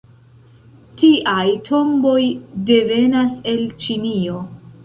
Tiaj tomboj devenas el Ĉinio.